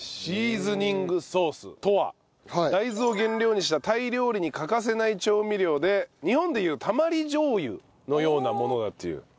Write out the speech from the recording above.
シーズニングソースとは大豆を原料にしたタイ料理に欠かせない調味料で日本でいうたまり醤油のようなものだという。